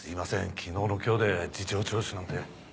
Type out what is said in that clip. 昨日の今日で事情聴取なんて。